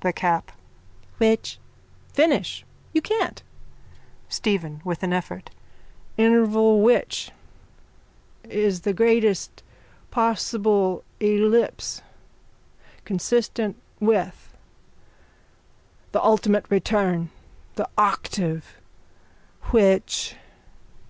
THE CAP: Which? Finish. You can't. STEPHEN: (With an effort.) Interval which. Is the greatest possible ellipse. Consistent with. The ultimate return. The octave. Which.